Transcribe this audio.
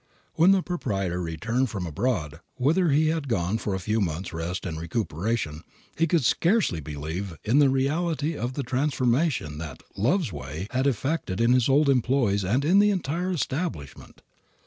When the proprietor returned from abroad, whither he had gone for a few months' rest and recuperation, he could scarcely believe in the reality of the transformation that "love's way" had effected in his old employees and in the entire establishment.